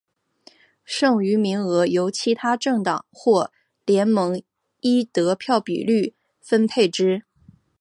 剩余名额由其他政党或联盟依得票比率分配之。